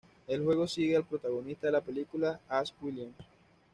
El juego sigue al protagonista de la película, Ash Williams.